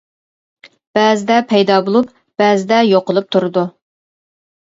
بەزىدە پەيدا بولۇپ بەزىدە يوقىلىپ تۇرىدۇ.